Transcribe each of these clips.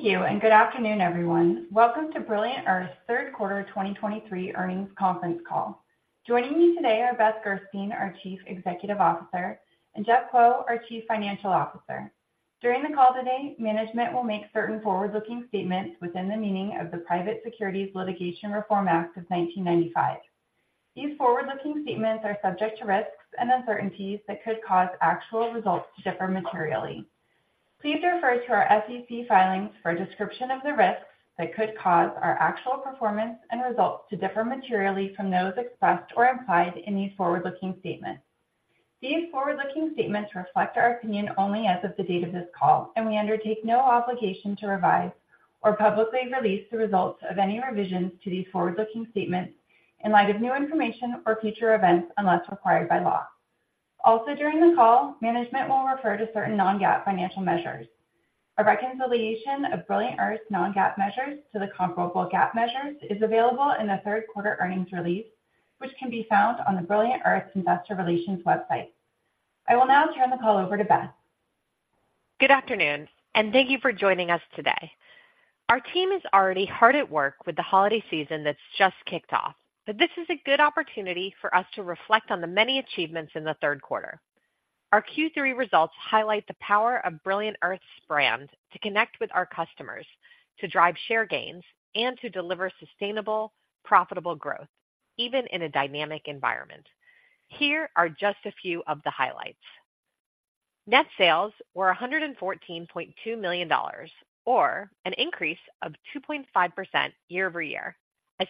Thank you and good afternoon, everyone. Welcome to Brilliant Earth's Q3 2023 earnings conference call. Joining me today are Beth Gerstein, our Chief Executive Officer, and Jeff Kuo, our Chief Financial Officer. During the call today, management will make certain forward-looking statements within the meaning of the Private Securities Litigation Reform Act of 1995. These forward-looking statements are subject to risks and uncertainties that could cae actual results to differ materially. Please refer to our SEC filings for a description of the risks that could cause our actual performance and results to differ materially from those expressed or implied in these forward-looking statements. These forward-looking statements reflect our opinion only as of the date of this call, and we undertake no obligation to revise or publicly release the results of any revisions to these forward-looking statements in light of new information or future events, unless required by law. Also, during the call, management will refer to certain non-GAAP financial measures. A reconciliation of Brilliant Earth's non-GAAP measures to the comparable GAAP measures is available in the Q3 earnings release, which can be found on the Brilliant Earth Investor Relations website. I will now turn the call over to Beth. Good afternoon, and thank you for joining us today. Our team is already hard at work with the holiday season that's just kicked off, but this is a good opportunity for us to reflect on the many achievements in the Q3. Our Q3 results highlight the power of Brilliant Earth's brand to connect with our customers, to drive share gains, and to deliver sustainable, profitable growth, even in a dynamic environment. Here are just a few of the highlights. Net sales were $114.2 million, or an increase of 2.5% -over-, a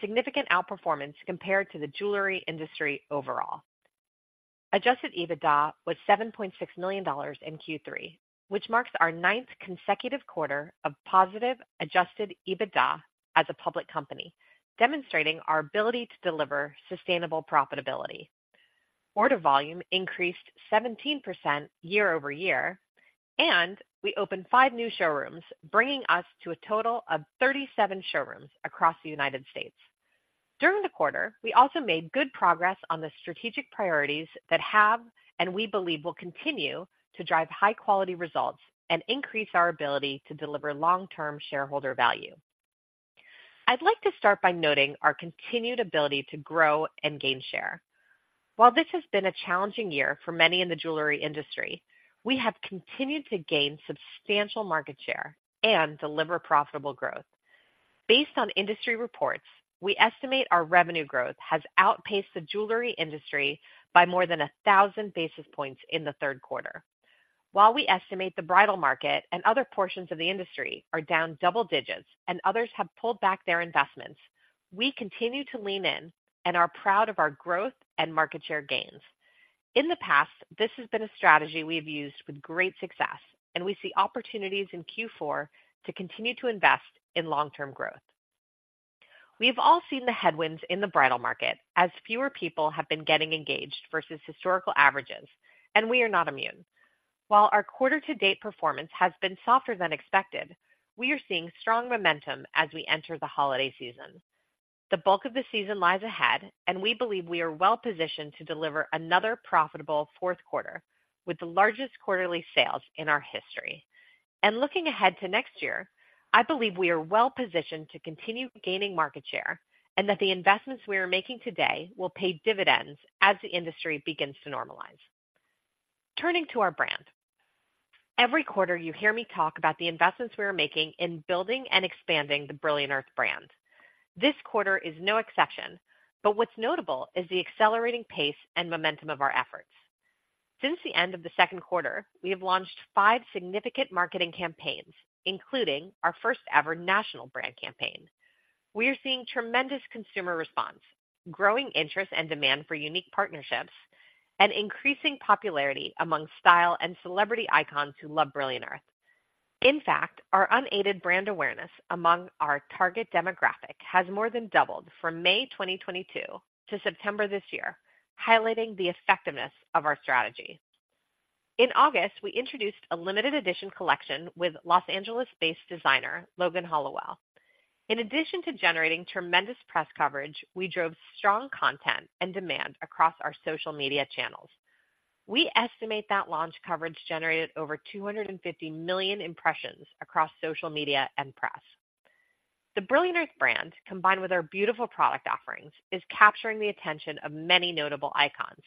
significant outperformance compared to the jewelry industry overall. Adjusted EBITDA was $7.6 million in Q3, which marks our ninth consecutive quarter of positive adjusted EBITDA as a public company, demonstrating our ability to deliver sustainable profitability. Order volume increased 17% year-over-year, and we opened 5 new showrooms, bringing us to a total of 37 showrooms across the United States. During the quarter, we also made good progress on the strategic priorities that have, and we believe will continue to drive high-quality results and increase our ability to deliver long-term shareholder value. I'd like to start by noting our continued ability to grow and gain share. While this has been a challenging year for many in the jewelry industry, we have continued to gain substantial market share and deliver profitable growth. Based on industry reports, we estimate our revenue growth has outpaced the jewelry industry by more than 1,000 basis points in the Q3. While we estimate the bridal market and other portions of the industry are down double digits and others have pulled back their investments, we continue to lean in and are proud of our growth and market share gains. In the past, this has been a strategy we have used with great success, and we see opportunities in Q4 to continue to invest in long-term growth. We've all seen the headwinds in the bridal market as fewer people have been getting engaged versus historical averages, and we are not immune. While our quarter-to-date performance has been softer than expected, we are seeing strong momentum as we enter the holiday season. The bulk of the season lies ahead, and we believe we are well positioned to deliver another profitable fourth quarter with the largest quarterly sales in our history. Looking ahead to next year, I believe we are well positioned to continue gaining market share and that the investments we are making today will pay dividends as the industry begins to normalize. Turning to our brand. Every quarter, you hear me talk about the investments we are making in building and expanding the Brilliant Earth brand. This quarter is no exception, but what's notable is the accelerating pace and momentum of our efforts. Since the end of the Q2, we have launched five significant marketing campaigns, including our first-ever national brand campaign. We are seeing tremendous consumer response, growing interest and demand for unique partnerships, and increasing popularity among style and celebrity icons who love Brilliant Earth. In fact, our unaided brand awareness among our target demographic has more than doubled from May 2022 to September this year, highlighting the effectiveness of our strategy. In August, we introduced a limited edition collection with Los Angeles-based designer, Logan Hollowell. In addition to generating tremendous press coverage, we drove strong content and demand across our social media channels. We estimate that launch coverage generated over 250 million impressions across social media and press. The Brilliant Earth brand, combined with our beautiful product offerings, is capturing the attention of many notable icons.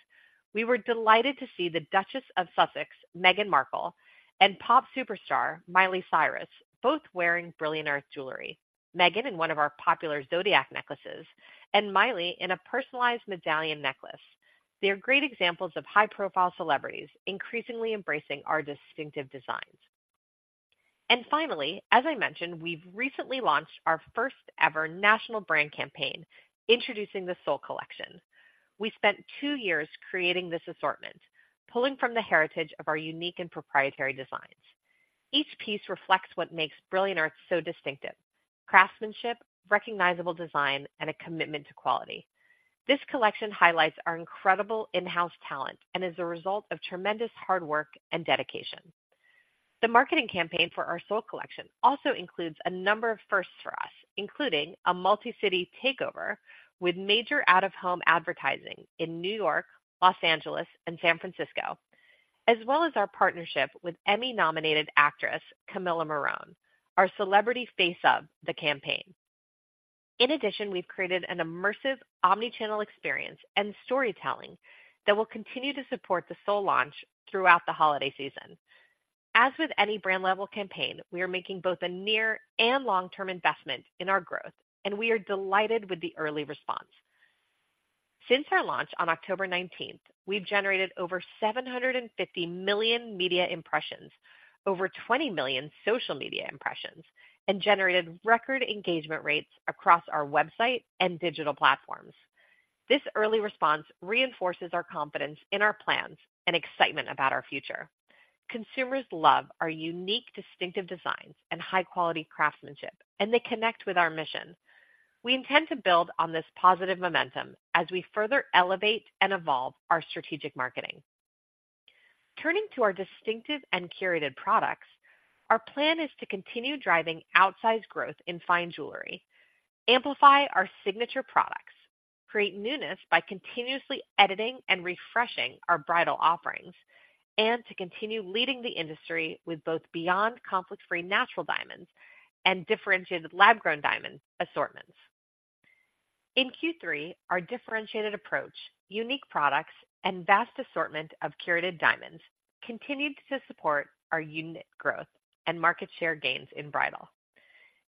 We were delighted to see the Duchess of Sussex, Meghan Markle, and pop superstar, Miley Cyrus, both wearing Brilliant Earth jewelry. Meghan in one of our popular Zodiac necklaces, and Miley in a personalized medallion necklace. They are great examples of high-profile celebrities increasingly embracing our distinctive designs. And finally, as I mentioned, we've recently launched our first-ever national brand campaign, introducing the Sol Collection. We spent two years creating this assortment, pulling from the heritage of our unique and proprietary designs. Each piece reflects what makes Brilliant Earth so distinctive: craftsmanship, recognizable design, and a commitment to quality. This collection highlights our incredible in-house talent and is a result of tremendous hard work and dedication. The marketing campaign for our Sol Collection also includes a number of firsts for us, including a multi-city takeover with major out-of-home advertising in New York, Los Angeles, and San Francisco, as well as our partnership with Emmy-nominated actress, Camila Morrone, our celebrity face of the campaign. In addition, we've created an immersive, omni-channel experience and storytelling that will continue to support the Sol Collection launch throughout the holiday season. As with any brand level campaign, we are making both a near and long-term investment in our growth, and we are delighted with the early response. Since our launch on October 19, we've generated over 750 million media impressions, over 20 million social media impressions, and generated record engagement rates across our website and digital platforms. This early response reinforces our confidence in our plans and excitement about our future. Consumers love our unique, distinctive designs and high-quality craftsmanship, and they connect with our mission. We intend to build on this positive momentum as we further elevate and evolve our strategic marketing. Turning to our distinctive and curated products, our plan is to continue driving outsized growth in fine jewelry, amplify our signature products, create newness by continuously editing and refreshing our bridal offerings, and to continue leading the industry with both beyond conflict-free natural diamonds and differentiated lab-grown diamond assortments. In Q3, our differentiated approach, unique products, and vast assortment of curated diamonds continued to support our unit growth and market share gains in bridal.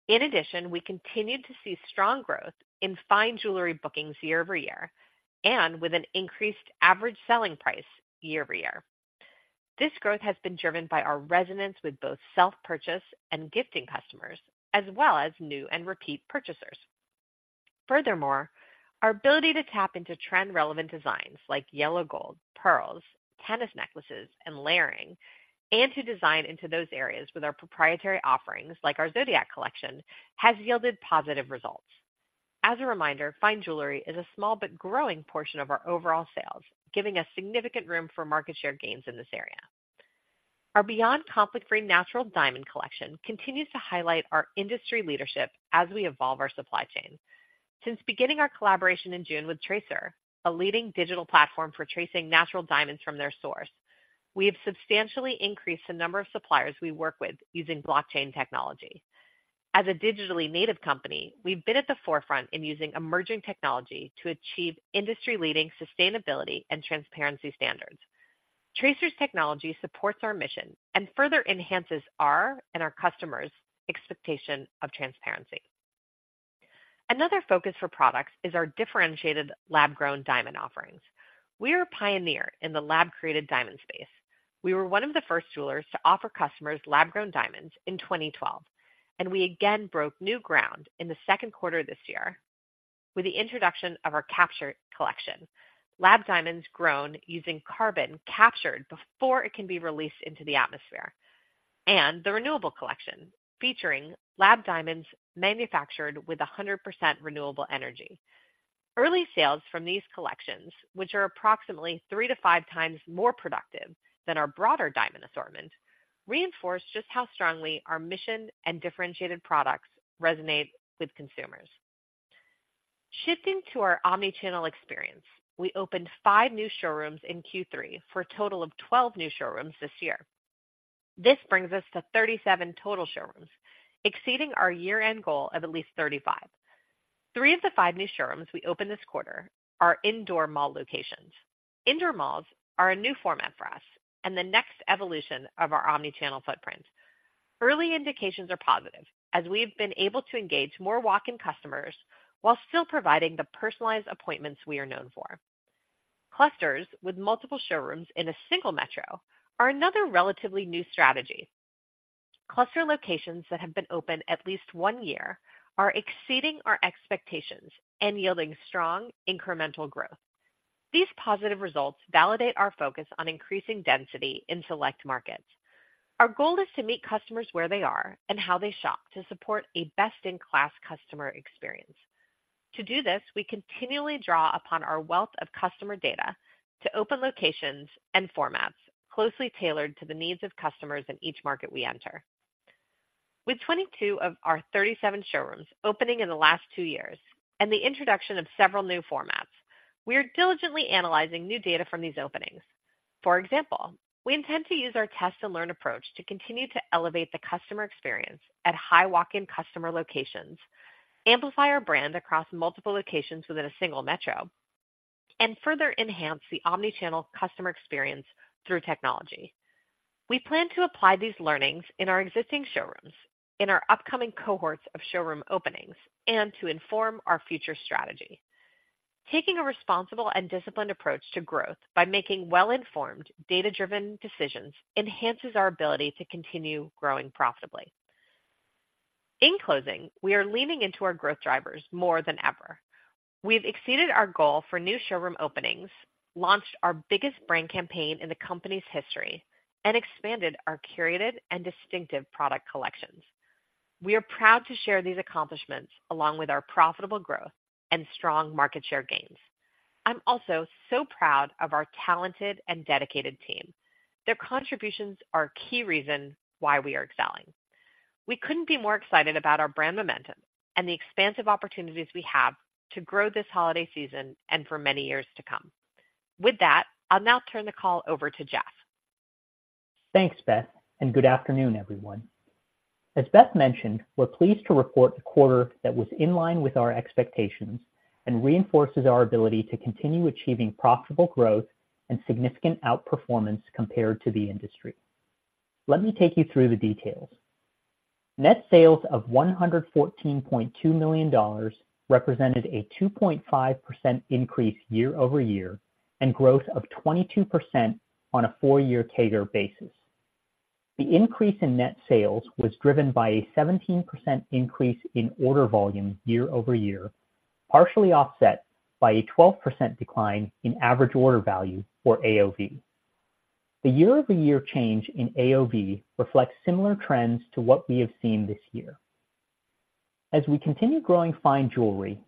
In addition, we continued to see strong growth in fine jewelry bookings year-over-year, and with an increased average selling price year-over-year. This growth has been driven by our resonance with both self-purchase and gifting customers, as well as new and repeat purchasers. Furthermore, our ability to tap into trend-relevant designs like yellow gold, pearls, tennis necklaces, and layering, and to design into those areas with our proprietary offerings, like our Zodiac Collection, has yielded positive results. As a reminder, fine jewelry is a small but growing portion of our overall sales, giving us significant room for market share gains in this area. Our beyond conflict-free natural diamond collection continues to highlight our industry leadership as we evolve our supply chain. Since beginning our collaboration in June with Tracr, a leading digital platform for tracing natural diamonds from their source, we have substantially increased the number of suppliers we work with using blockchain technology. As a digitally native company, we've been at the forefront in using emerging technology to achieve industry-leading sustainability and transparency standards. Tracr's technology supports our mission and further enhances our and our customers' expectation of transparency. Another focus for products is our differentiated lab-grown diamond offerings. We are a pioneer in the lab-created diamond space. We were one of the first jewelers to offer customers lab-grown diamonds in 2012, and we again broke new ground in the Q2 of this year with the introduction of our Capture Collection. Lab diamonds grown using carbon captured before it can be released into the atmosphere, and the Renewable Collection, featuring lab diamonds manufactured with 100% renewable energy. Early sales from these collections, which are approximately 3-5 times more productive than our broader diamond assortment, reinforce just how strongly our mission and differentiated products resonate with consumers. Shifting to our omni-channel experience, we opened 5 new showrooms in Q3 for a total of 12 new showrooms this year. This brings us to 37 total showrooms, exceeding our year-end goal of at least 35. Three of the 5 new showrooms we opened this quarter are indoor mall locations. Indoor malls are a new format for us and the next evolution of our omni-channel footprint. Early indications are positive as we've been able to engage more walk-in customers while still providing the personalized appointments we are known for. Clusters with multiple showrooms in a single metro are another relatively new strategy. Cluster locations that have been open at least one year are exceeding our expectations and yielding strong incremental growth. These positive results validate our focus on increasing density in select markets. Our goal is to meet customers where they are and how they shop to support a best-in-class customer experience. To do this, we continually draw upon our wealth of customer data to open locations and formats closely tailored to the needs of customers in each market we enter. With 22 of our 37 showrooms opening in the last two years and the introduction of several new formats, we are diligently analyzing new data from these openings. For example, we intend to use our test-and-learn approach to continue to elevate the customer experience at high walk-in customer locations, amplify our brand across multiple locations within a single metro, and further enhance the Omni-channel customer experience through technology. We plan to apply these learnings in our existing showrooms, in our upcoming cohorts of showroom openings, and to inform our future strategy. Taking a responsible and disciplined approach to growth by making well-informed, data-driven decisions enhances our ability to continue growing profitably. In closing, we are leaning into our growth drivers more than ever. We've exceeded our goal for new showroom openings, launched our biggest brand campaign in the company's history, and expanded our curated and distinctive product collections. We are proud to share these accomplishments, along with our profitable growth and strong market share gains.... I'm also so proud of our talented and dedicated team. Their contributions are a key reason why we are excelling. We couldn't be more excited about our brand momentum and the expansive opportunities we have to grow this holiday season and for many years to come. With that, I'll now turn the call over to Jeff. Thanks, Beth, and good afternoon, everyone. As Beth mentioned, we're pleased to report a quarter that was in line with our expectations and reinforces our ability to continue achieving profitable growth and significant outperformance compared to the industry. Let me take you through the details. Net sales of $114.2 million represented a 2.5% increase year-over-year, and growth of 22% on a 4-year CAGR basis. The increase in net sales was driven by a 17% increase in order volume year-over-year, partially offset by a 12% decline in average order value, or AOV. The year-over-year change in AOV reflects similar trends to what we have seen this year. As we continue growing fine jewelry,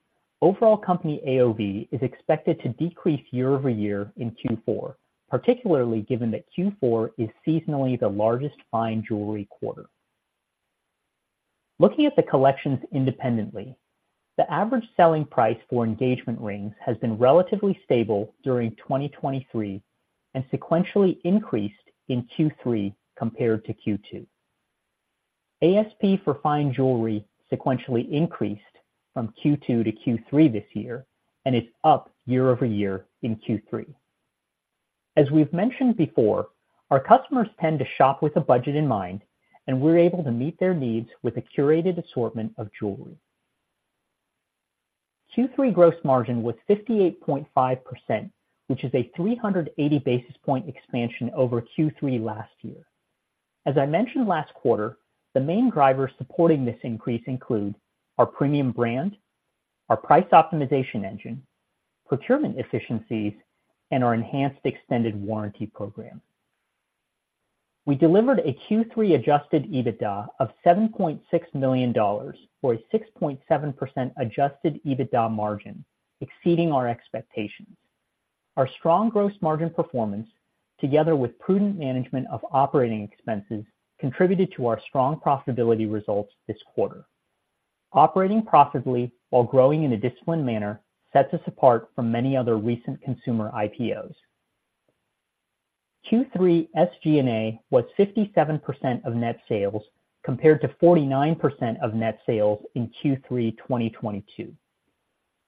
overall company AOV is expected to decrease year-over-year in Q4, particularly given that Q4 is seasonally the largest fine jewelry quarter. Looking at the collections independently, the average selling price for engagement rings has been relatively stable during 2023 and sequentially increased in Q3 compared to Q2. ASP for fine jewelry sequentially increased from Q2 to Q3 this year, and is up year-over-year in Q3. As we've mentioned before, our customers tend to shop with a budget in mind, and we're able to meet their needs with a curated assortment of jewelry. Q3 gross margin was 58.5%, which is a 380 basis point expansion over Q3 last year. As I mentioned last quarter, the main drivers supporting this increase include our premium brand, our price optimization engine, procurement efficiencies, and our enhanced extended warranty program. We delivered a Q3 Adjusted EBITDA of $7.6 million for a 6.7% Adjusted EBITDA margin, exceeding our expectations. Our strong gross margin performance, together with prudent management of operating expenses, contributed to our strong profitability results this quarter. Operating profitably while growing in a disciplined manner sets us apart from many other recent consumer IPOs. Q3 SG&A was 57% of net sales, compared to 49% of net sales in Q3 2022.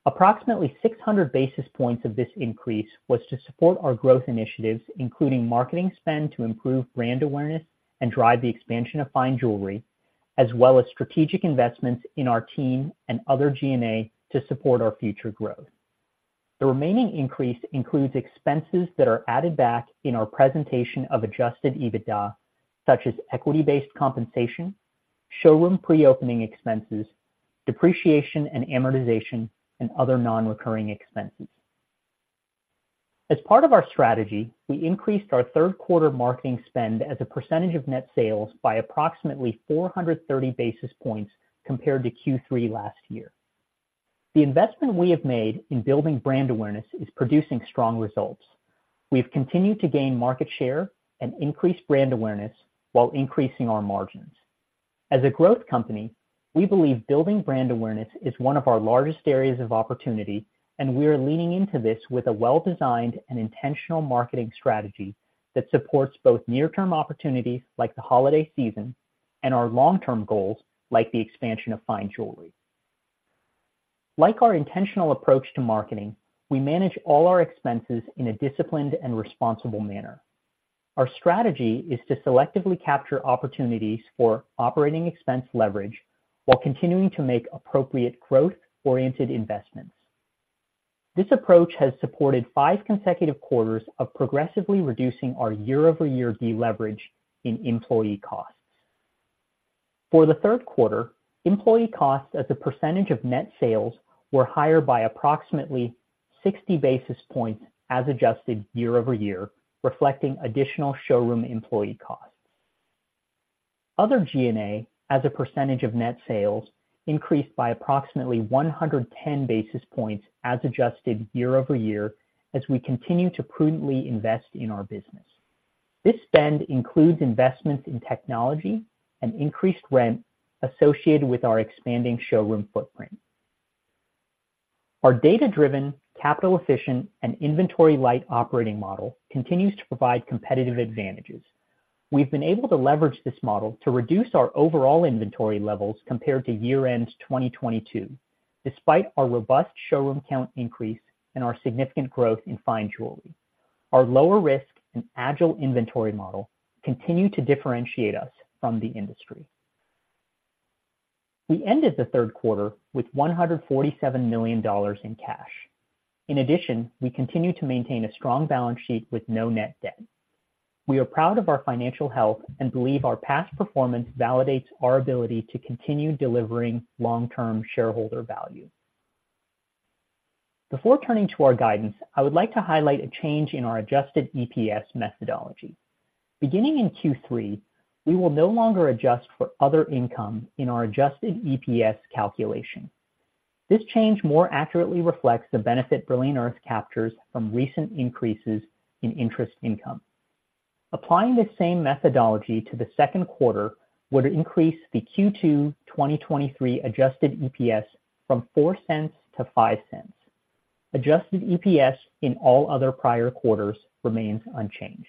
Approximately 600 basis points of this increase was to support our growth initiatives, including marketing spend, to improve brand awareness and drive the expansion of fine jewelry, as well as strategic investments in our team and other G&A to support our future growth. The remaining increase includes expenses that are added back in our presentation of Adjusted EBITDA, such as equity-based compensation, showroom pre-opening expenses, depreciation and amortization, and other non-recurring expenses. As part of our strategy, we increased our Q3 marketing spend as a percentage of net sales by approximately 430 basis points compared to Q3 last year. The investment we have made in building brand awareness is producing strong results. We've continued to gain market share and increase brand awareness while increasing our margins. As a growth company, we believe building brand awareness is one of our largest areas of opportunity, and we are leaning into this with a well-designed and intentional marketing strategy that supports both near-term opportunities, like the holiday season, and our long-term goals, like the expansion of fine jewelry. Like our intentional approach to marketing, we manage all our expenses in a disciplined and responsible manner. Our strategy is to selectively capture opportunities for operating expense leverage while continuing to make appropriate growth-oriented investments. This approach has supported five consecutive quarters of progressively reducing our year-over-year deleverage in employee costs. For the Q3, employee costs as a percentage of net sales were higher by approximately 60 basis points as adjusted year-over-year, reflecting additional showroom employee costs. Other SG&A, as a percentage of net sales, increased by approximately 110 basis points as adjusted year-over-year as we continue to prudently invest in our business. This spend includes investments in technology and increased rent associated with our expanding showroom footprint. Our data-driven, capital-efficient, and inventory-light operating model continues to provide competitive advantages. We've been able to leverage this model to reduce our overall inventory levels compared to year-end 2022, despite our robust showroom count increase and our significant growth in fine jewelry. Our lower risk and agile inventory model continue to differentiate us from the industry. We ended the Q3 with $147 million in cash. In addition, we continue to maintain a strong balance sheet with no net debt. We are proud of our financial health and believe our past performance validates our ability to continue delivering long-term shareholder value. Before turning to our guidance, I would like to highlight a change in our Adjusted EPS methodology. Beginning in Q3, we will no longer adjust for other income in our Adjusted EPS calculation. This change more accurately reflects the benefit Brilliant Earth captures from recent increases in interest income. Applying the same methodology to the Q2 would increase the Q2 2023 adjusted EPS from $0.04 to $0.05. Adjusted EPS in all other prior quarters remains unchanged.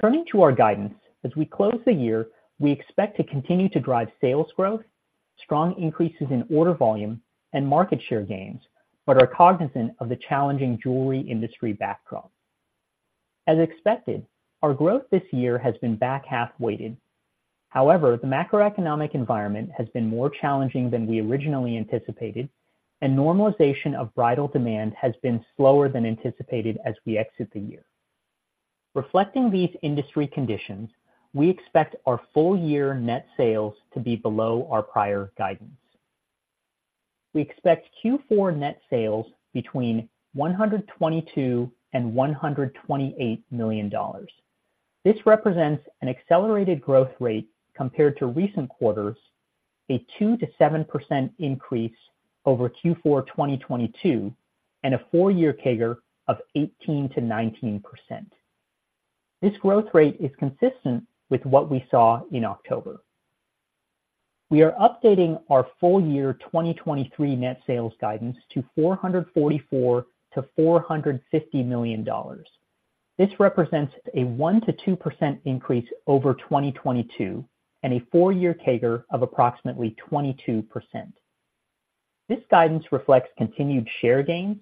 Turning to our guidance, as we close the year, we expect to continue to drive sales growth, strong increases in order volume, and market share gains, but are cognizant of the challenging jewelry industry backdrop. As expected, our growth this year has been back-half weighted. However, the macroeconomic environment has been more challenging than we originally anticipated, and normalization of bridal demand has been slower than anticipated as we exit the year. Reflecting these industry conditions, we expect our full year net sales to be below our prior guidance. We expect Q4 net sales between $122 million and $128 million. This represents an accelerated growth rate compared to recent quarters, a 2%-7% increase over Q4 2022, and a four-year CAGR of 18%-19%. This growth rate is consistent with what we saw in October. We are updating our full year 2023 net sales guidance to $444 million-$450 million. This represents a 1%-2% increase over 2022, and a four-year CAGR of approximately 22%. This guidance reflects continued share gains,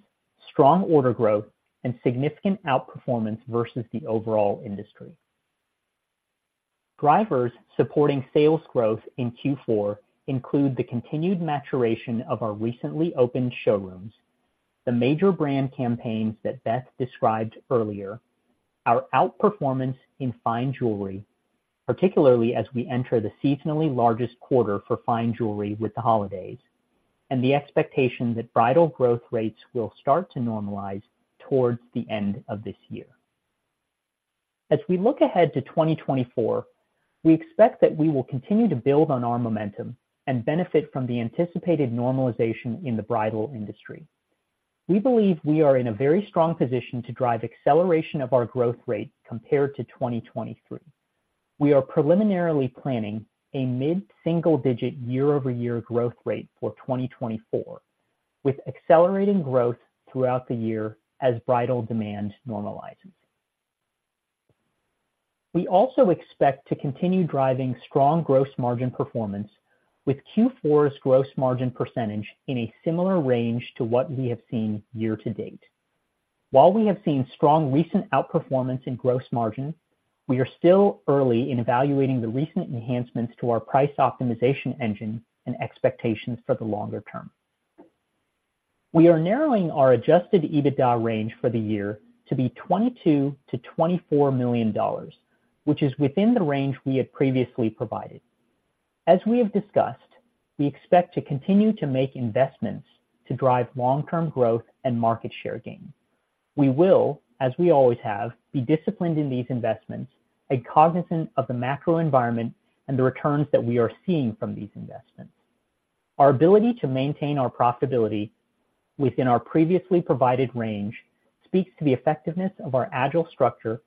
strong order growth, and significant outperformance versus the overall industry. Drivers supporting sales growth in Q4 include the continued maturation of our recently opened showrooms, the major brand campaigns that Beth described earlier, our outperformance in fine jewelry, particularly as we enter the seasonally largest quarter for fine jewelry with the holidays, and the expectation that bridal growth rates will start to normalize towards the end of this year. As we look ahead to 2024, we expect that we will continue to build on our momentum and benefit from the anticipated normalization in the bridal industry. We believe we are in a very strong position to drive acceleration of our growth rate compared to 2023. We are preliminarily planning a mid-single-digit year-over-year growth rate for 2024, with accelerating growth throughout the year as bridal demand normalizes. We also expect to continue driving strong gross margin performance, with Q4's gross margin percentage in a similar range to what we have seen year-to-date. While we have seen strong recent outperformance in gross margin, we are still early in evaluating the recent enhancements to our price optimization engine and expectations for the longer term. We are narrowing our Adjusted EBITDA range for the year to be $22 million-$24 million, which is within the range we had previously provided. As we have discussed, we expect to continue to make investments to drive long-term growth and market share gain. We will, as we always have, be disciplined in these investments and cognizant of the macro environment and the returns that we are seeing from these investments. Our ability to maintain our profitability within our previously provided range speaks to the effectiveness of our agile structure,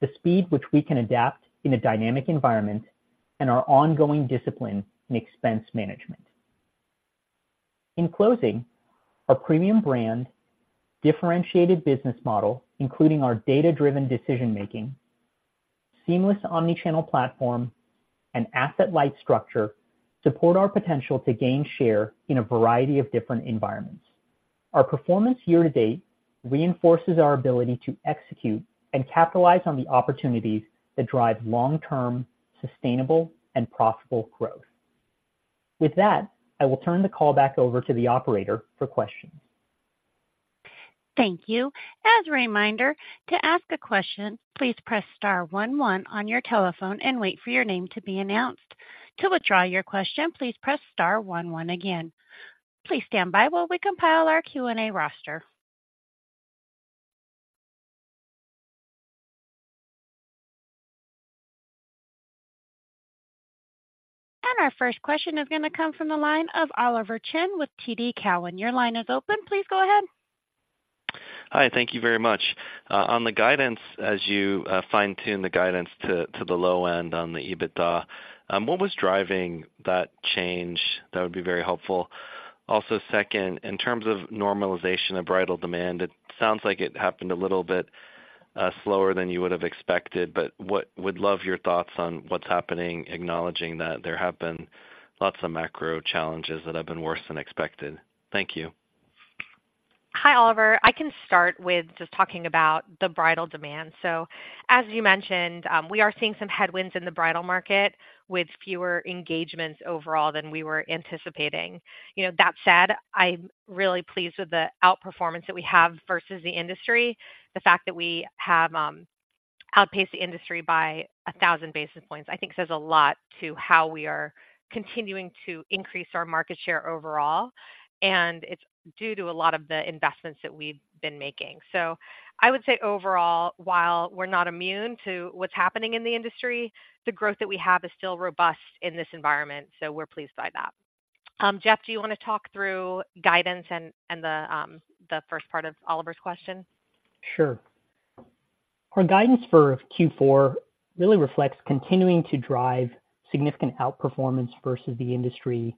the speed which we can adapt in a dynamic environment, and our ongoing discipline in expense management. In closing, our premium brand, differentiated business model, including our data-driven decision making, seamless Omni-channel platform, and asset-light structure, support our potential to gain share in a variety of different environments. Our performance year to date reinforces our ability to execute and capitalize on the opportunities that drive long-term, sustainable, and profitable growth. With that, I will turn the call back over to the operator for questions. Thank you. As a reminder, to ask a question, please press star one one on your telephone and wait for your name to be announced. To withdraw your question, please press star one one again. Please stand by while we compile our Q&A roster. Our first question is gonna come from the line of Oliver Chen with TD Cowen. Your line is open. Please go ahead. Hi, thank you very much. On the guidance, as you fine-tune the guidance to the low end on the EBITDA, what was driving that change? That would be very helpful. Also, second, in terms of normalization of bridal demand, it sounds like it happened a little bit slower than you would have expected. But would love your thoughts on what's happening, acknowledging that there have been lots of macro challenges that have been worse than expected. Thank you. Hi, Oliver. I can start with just talking about the bridal demand. So as you mentioned, we are seeing some headwinds in the bridal market with fewer engagements overall than we were anticipating. You know, that said, I'm really pleased with the outperformance that we have versus the industry. The fact that we have outpace the industry by 1,000 basis points. I think says a lot to how we are continuing to increase our market share overall, and it's due to a lot of the investments that we've been making. So I would say overall, while we're not immune to what's happening in the industry, the growth that we have is still robust in this environment, so we're pleased by that. Jeff, do you want to talk through guidance and the first part of Oliver's question? Sure. Our guidance for Q4 really reflects continuing to drive significant outperformance versus the industry,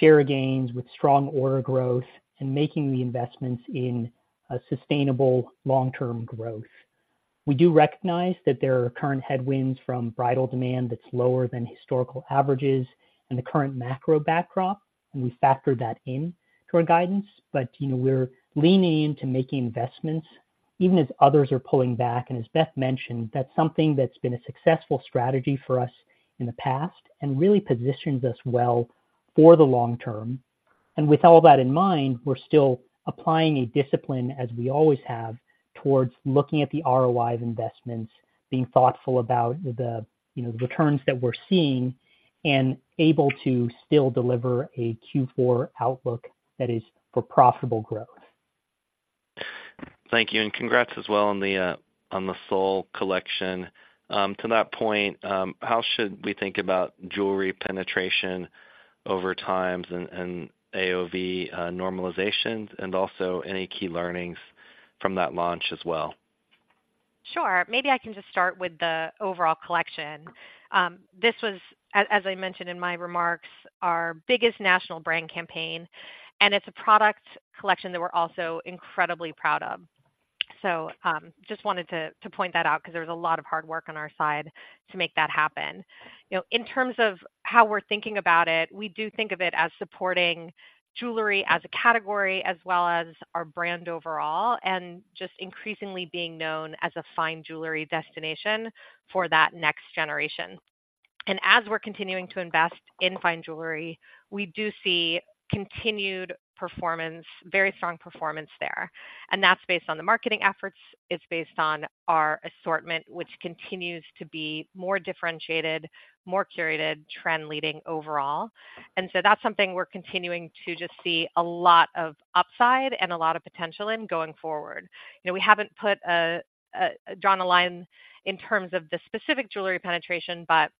share gains with strong order growth, and making the investments in a sustainable long-term growth. We do recognize that there are current headwinds from bridal demand that's lower than historical averages and the current macro backdrop, and we factored that in to our guidance. But, you know, we're leaning into making investments even as others are pulling back. And as Beth mentioned, that's something that's been a successful strategy for us in the past and really positions us well for the long term. And with all that in mind, we're still applying a discipline, as we always have, towards looking at the ROI of investments, being thoughtful about the, you know, the returns that we're seeing, and able to still deliver a Q4 outlook that is for profitable growth. Thank you, and congrats as well on the Sol Collection. To that point, how should we think about jewelry penetration over times and AOV normalizations, and also any key learnings from that launch as well? Sure. Maybe I can just start with the overall collection. This was, as I mentioned in my remarks, our biggest national brand campaign, and it's a product collection that we're also incredibly proud of. So, just wanted to, to point that out because there was a lot of hard work on our side to make that happen. You know, in terms of how we're thinking about it, we do think of it as supporting jewelry as a category, as well as our brand overall, and just increasingly being known as a fine jewelry destination for that next generation. And as we're continuing to invest in fine jewelry, we do see continued performance, very strong performance there. And that's based on the marketing efforts, it's based on our assortment, which continues to be more differentiated, more curated, trend leading overall. And so that's something we're continuing to just see a lot of upside and a lot of potential in going forward. You know, we haven't drawn a line in terms of the specific jewelry penetration, but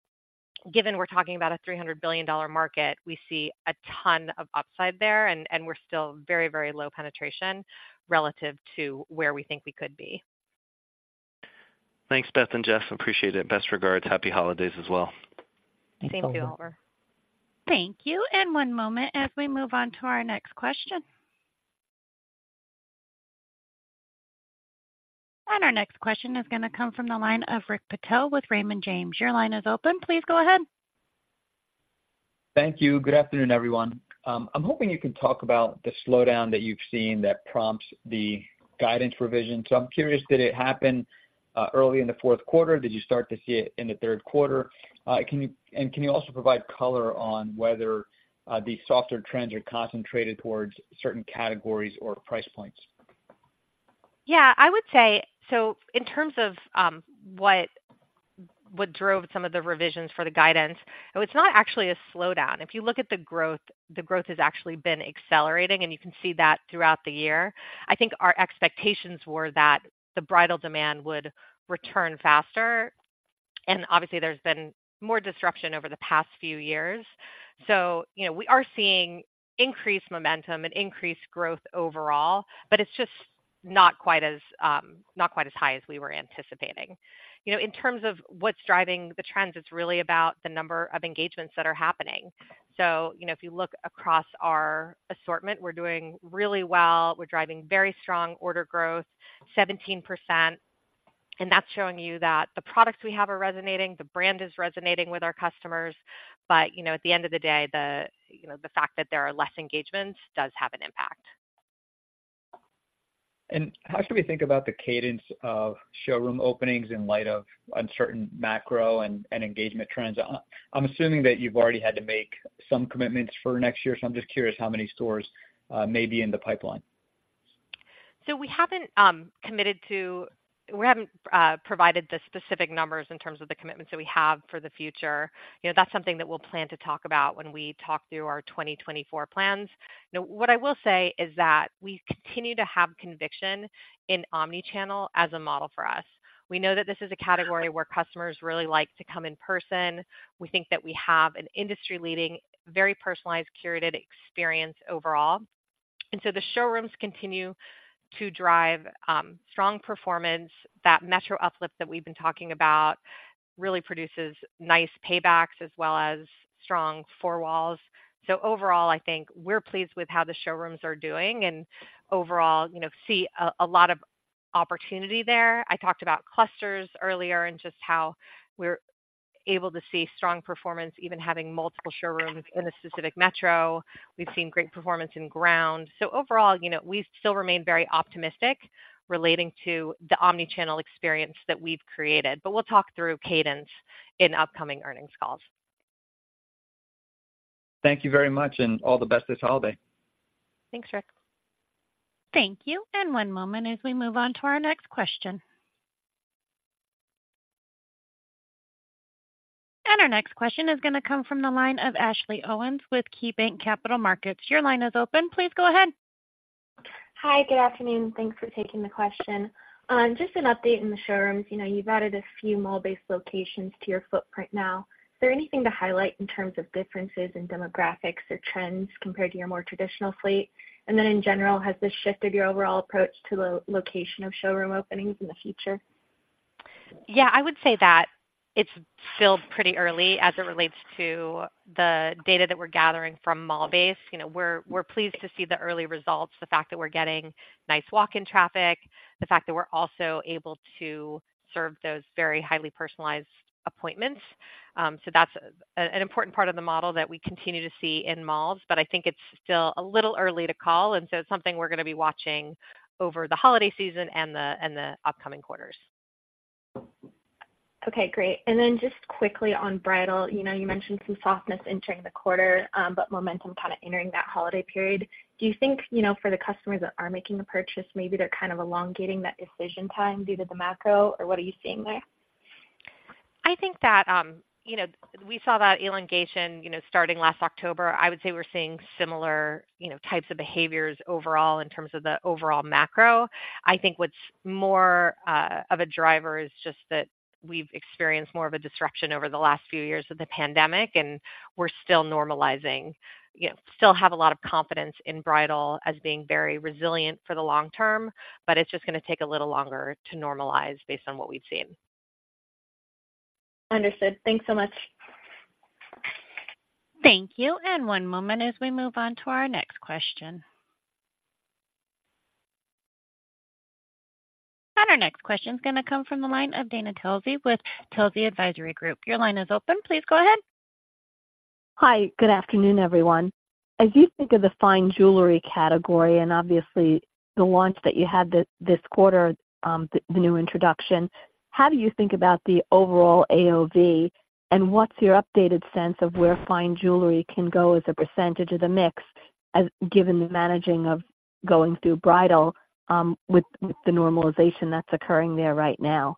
given we're talking about a $300 billion market, we see a ton of upside there, and we're still very, very low penetration relative to where we think we could be. Thanks, Beth and Jeff. Appreciate it. Best regards. Happy holidays as well. Thank you Thank you, Oliver. Thank you, and one moment as we move on to our next question. Our next question is gonna come from the line of Rick Patel with Raymond James. Your line is open. Please go ahead. Thank you. Good afternoon, everyone. I'm hoping you can talk about the slowdown that you've seen that prompts the guidance revision. So I'm curious, did it happen early in the Q4? Did you start to see it in the Q3? Can you also provide color on whether the softer trends are concentrated toward certain categories or price points? Yeah, I would say. So in terms of what drove some of the revisions for the guidance, it was not actually a slowdown. If you look at the growth, the growth has actually been accelerating, and you can see that throughout the year. I think our expectations were that the bridal demand would return faster, and obviously there's been more disruption over the past few years. So you know, we are seeing increased momentum and increased growth overall, but it's just not quite as not quite as high as we were anticipating. You know, in terms of what's driving the trends, it's really about the number of engagements that are happening. So you know, if you look across our assortment, we're doing really well. We're driving very strong order growth, 17%, and that's showing you that the products we have are resonating, the brand is resonating with our customers. But, you know, at the end of the day, the, you know, the fact that there are less engagements does have an impact. How should we think about the cadence of showroom openings in light of uncertain macro and engagement trends? I'm assuming that you've already had to make some commitments for next year, so I'm just curious how many stores may be in the pipeline? So we haven't committed to, we haven't provided the specific numbers in terms of the commitments that we have for the future. You know, that's something that we'll plan to talk about when we talk through our 2024 plans. You know, what I will say is that we continue to have conviction in Omni-channel as a model for us. We know that this is a category where customers really like to come in person. We think that we have an industry-leading, very personalized, curated experience overall. And so the showrooms continue to drive strong performance. That Metro uplift that we've been talking about really produces nice paybacks as well as strong four walls. So overall, I think we're pleased with how the showrooms are doing, and overall, you know, see a lot of opportunity there. I talked about clusters earlier and just how we're able to see strong performance, even having multiple showrooms in a specific metro. We've seen great performance in ground. So overall, you know, we still remain very optimistic relating to the Omni-channel experience that we've created. But we'll talk through cadence in upcoming earnings calls. Thank you very much, and all the best this holiday. Thanks, Rick. Thank you. One moment as we move on to our next question. Our next question is going to come from the line of Ashley Owens with KeyBanc Capital Markets. Your line is open. Please go ahead. Hi, good afternoon. Thanks for taking the question. Just an update in the showrooms. You know, you've added a few mall-based locations to your footprint now. Is there anything to highlight in terms of differences in demographics or trends compared to your more traditional fleet? And then, in general, has this shifted your overall approach to the location of showroom openings in the future? Yeah, I would say that it's still pretty early as it relates to the data that we're gathering from mall base. You know, we're pleased to see the early results, the fact that we're getting nice walk-in traffic, the fact that we're also able to serve those very highly personalized appointments. So that's an important part of the model that we continue to see in malls, but I think it's still a little early to call, and so it's something we're going to be watching over the holiday season and the upcoming quarters. Okay, great. And then just quickly on bridal, you know, you mentioned some softness entering the quarter, but momentum kind of entering that holiday period. Do you think, you know, for the customers that are making a purchase, maybe they're kind of elongating that decision time due to the macro, or what are you seeing there? I think that, you know, we saw that elongation, you know, starting last October. I would say we're seeing similar, you know, types of behaviors overall in terms of the overall macro. I think what's more, of a driver is just that we've experienced more of a disruption over the last few years of the pandemic, and we're still normalizing. We still have a lot of confidence in bridal as being very resilient for the long term, but it's just going to take a little longer to normalize based on what we've seen. Understood. Thanks so much. Thank you, and one moment as we move on to our next question. Our next question is going to come from the line of Dana Telsey with Telsey Advisory Group. Your line is open. Please go ahead. Hi, good afternoon, everyone. As you think of the fine jewelry category and obviously the launch that you had this quarter, the new introduction, how do you think about the overall AOV, and what's your updated sense of where fine jewelry can go as a percentage of the mix, as given the managing of going through bridal, with the normalization that's occurring there right now?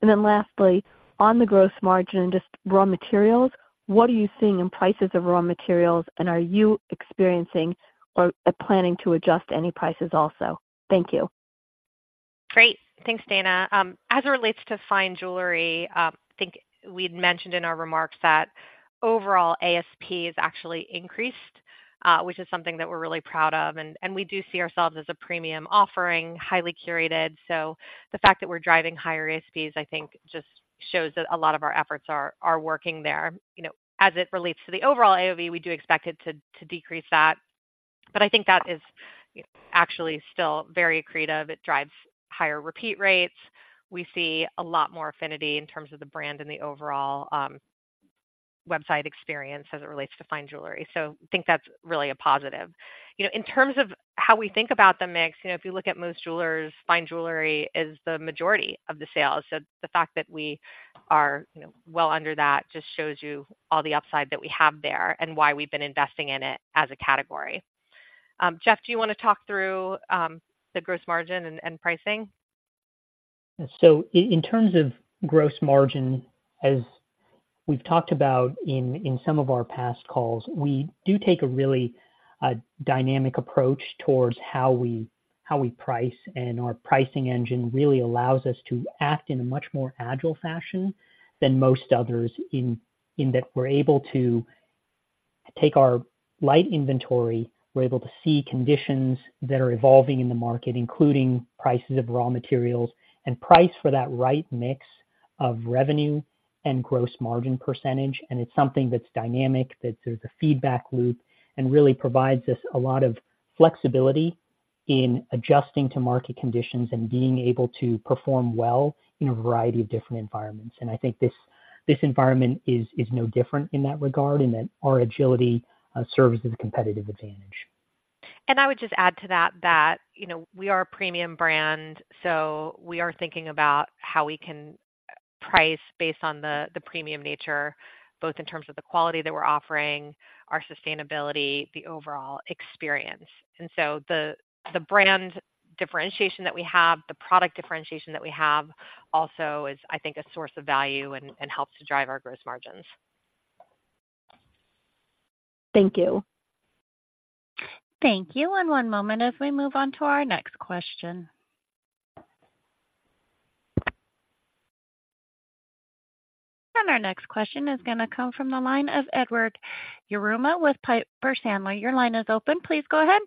And then lastly, on the gross margin, just raw materials, what are you seeing in prices of raw materials, and are you experiencing or planning to adjust any prices also? Thank you. Great. Thanks, Dana. As it relates to fine jewelry, I think we'd mentioned in our remarks that overall ASP has actually increased, which is something that we're really proud of, and, and we do see ourselves as a premium offering, highly curated. So the fact that we're driving higher ASPs, I think, just shows that a lot of our efforts are, are working there. You know, as it relates to the overall AOV, we do expect it to, to decrease that, but I think that is actually still very accretive. It drives higher repeat rates. We see a lot more affinity in terms of the brand and the overall, website experience as it relates to fine jewelry. So I think that's really a positive. You know, in terms of how we think about the mix, you know, if you look at most jewelers, fine jewelry is the majority of the sales. So the fact that we are, you know, well under that just shows you all the upside that we have there and why we've been investing in it as a category. Jeff, do you want to talk through the gross margin and pricing? So in terms of gross margin, as we've talked about in, in some of our past calls, we do take a really, dynamic approach towards how we, how we price, and our pricing engine really allows us to act in a much more agile fashion than most others in, in that we're able to take our light inventory. We're able to see conditions that are evolving in the market, including prices of raw materials, and price for that right mix of revenue and gross margin percentage. And it's something that's dynamic, that there's a feedback loop, and really provides us a lot of flexibility in adjusting to market conditions and being able to perform well in a variety of different environments. And I think this, this environment is, is no different in that regard, in that our agility, serves as a competitive advantage. I would just add to that, that, you know, we are a premium brand, so we are thinking about how we can price based on the, the premium nature, both in terms of the quality that we're offering, our sustainability, the overall experience. And so the, the brand differentiation that we have, the product differentiation that we have also is, I think, a source of value and, and helps to drive our gross margins. Thank you. Thank you. One moment as we move on to our next question. Our next question is going to come from the line of Edward Yruma with Piper Sandler. Your line is open. Please go ahead.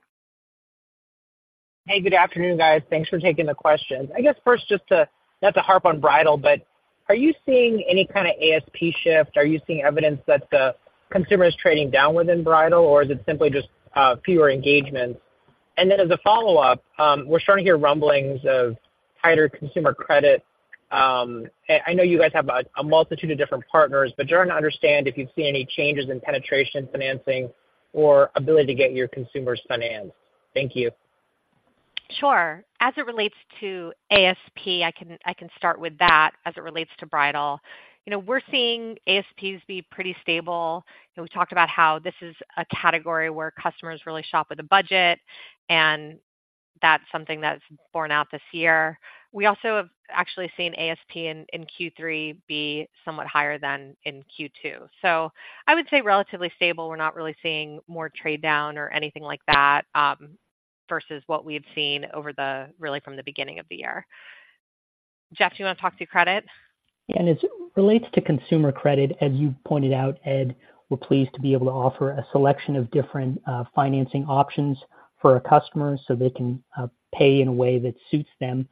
Hey, good afternoon, guys. Thanks for taking the questions. I guess first, just to not to harp on bridal, but are you seeing any kind of ASP shift? Are you seeing evidence that the consumer is trading down within bridal, or is it simply just fewer engagements? And then as a follow-up, we're starting to hear rumblings of tighter consumer credit. I know you guys have a multitude of different partners, but just trying to understand if you've seen any changes in penetration, financing, or ability to get your consumers financed. Thank you. Sure. As it relates to ASP, I can start with that. As it relates to bridal, you know, we're seeing ASPs be pretty stable, and we talked about how this is a category where customers really shop with a budget, and that's something that's borne out this year. We also have actually seen ASP in Q3 be somewhat higher than in Q2. So I would say relatively stable. We're not really seeing more trade-down or anything like that, versus what we've seen over the... really, from the beginning of the year. Jeff, do you wanna talk to credit? Yeah. As it relates to consumer credit, as you pointed out, Ed, we're pleased to be able to offer a selection of different financing options for our customers, so they can pay in a way that suits them.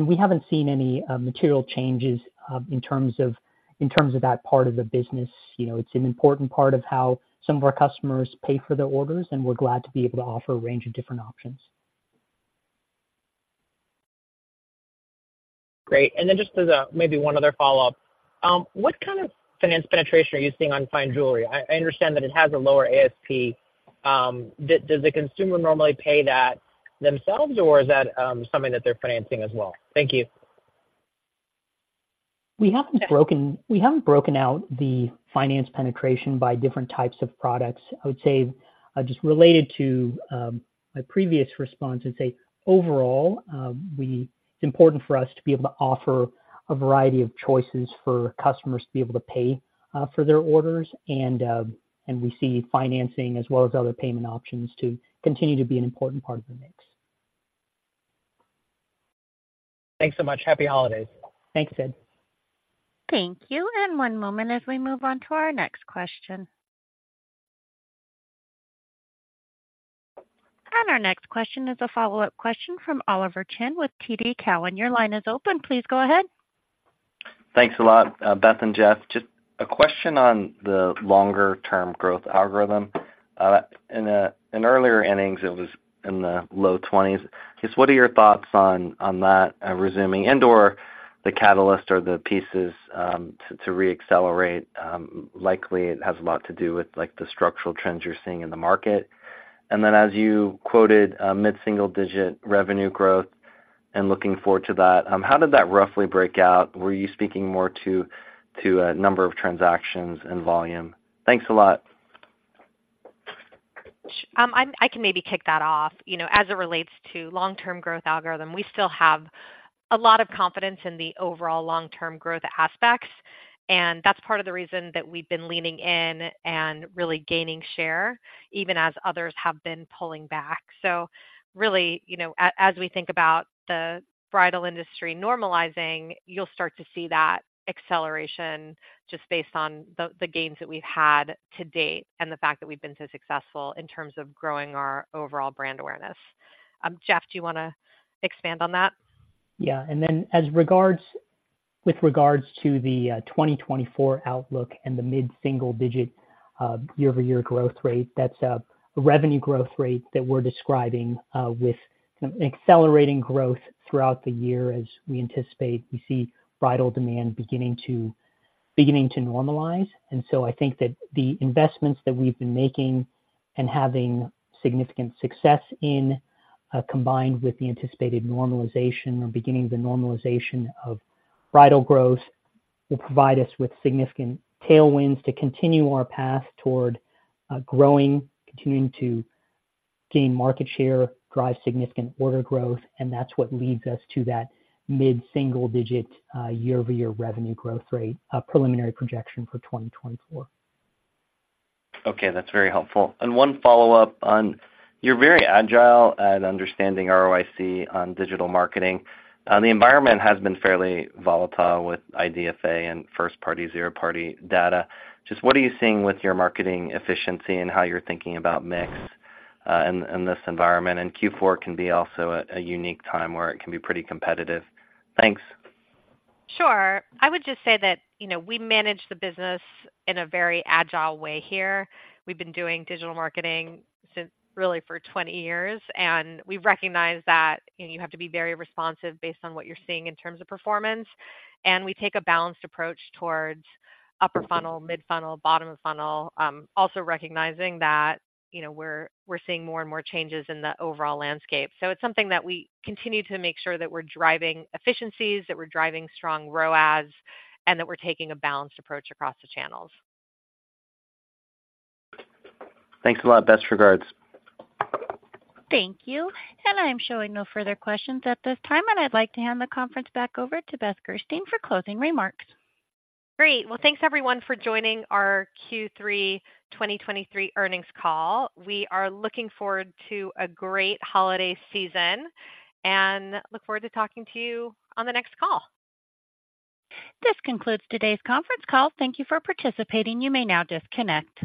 We haven't seen any material changes in terms of that part of the business. You know, it's an important part of how some of our customers pay for their orders, and we're glad to be able to offer a range of different options. Great. And then just as a maybe one other follow-up, what kind of finance penetration are you seeing on fine jewelry? I understand that it has a lower ASP. Does the consumer normally pay that themselves, or is that something that they're financing as well? Thank you. We haven't broken out the finance penetration by different types of products. I would say, just related to my previous response, I'd say overall, It's important for us to be able to offer a variety of choices for customers to be able to pay for their orders. We see financing as well as other payment options to continue to be an important part of the mix. Thanks so much. Happy holidays. Thanks, Ed. Thank you, and one moment as we move on to our next question. Our next question is a follow-up question from Oliver Chen with TD Cowen. Your line is open. Please go ahead. Thanks a lot, Beth and Jeff. Just a question on the longer term growth algorithm. In earlier innings, it was in the low 20s. Just what are your thoughts on that resuming and/or the catalyst or the pieces to reaccelerate? Likely it has a lot to do with, like, the structural trends you're seeing in the market. And then, as you quoted, mid-single-digit revenue growth and looking forward to that, how did that roughly break out? Were you speaking more to number of transactions and volume? Thanks a lot. I can maybe kick that off. You know, as it relates to long-term growth algorithm, we still have a lot of confidence in the overall long-term growth aspects, and that's part of the reason that we've been leaning in and really gaining share, even as others have been pulling back. So really, you know, as we think about the bridal industry normalizing, you'll start to see that acceleration just based on the gains that we've had to date and the fact that we've been so successful in terms of growing our overall brand awareness. Jeff, do you wanna expand on that? Yeah. And then, with regards to the 2024 outlook and the mid-single-digit year-over-year growth rate, that's a revenue growth rate that we're describing with kind of accelerating growth throughout the year. As we anticipate, we see bridal demand beginning to normalize. And so I think that the investments that we've been making and having significant success in, combined with the anticipated normalization or beginning of the normalization of bridal growth, will provide us with significant tailwinds to continue our path toward growing, continuing to gain market share, drive significant order growth, and that's what leads us to that mid-single-digit year-over-year revenue growth rate, preliminary projection for 2024. Okay, that's very helpful. And one follow-up on... You're very agile at understanding ROIC on digital marketing. The environment has been fairly volatile with IDFA and first-party, zero party data. Just what are you seeing with your marketing efficiency and how you're thinking about mix in this environment? And Q4 can be also a unique time where it can be pretty competitive. Thanks. Sure. I would just say that, you know, we manage the business in a very agile way here. We've been doing digital marketing since, really for 20 years, and we've recognized that, you know, you have to be very responsive based on what you're seeing in terms of performance. We take a balanced approach towards upper funnel, mid funnel, bottom of funnel, also recognizing that, you know, we're, we're seeing more and more changes in the overall landscape. It's something that we continue to make sure that we're driving efficiencies, that we're driving strong ROAS, and that we're taking a balanced approach across the channels. Thanks a lot. Best regards. Thank you. I'm showing no further questions at this time, and I'd like to hand the conference back over to Beth Gerstein for closing remarks. Great. Well, thanks, everyone, for joining our Q3 2023 earnings call. We are looking forward to a great holiday season and look forward to talking to you on the next call. This concludes today's conference call. Thank you for participating. You may now disconnect.